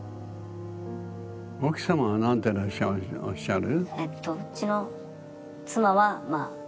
奥様は何ておっしゃる？